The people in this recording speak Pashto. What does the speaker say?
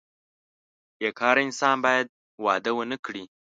بې کاره انسان باید واده ونه کړي.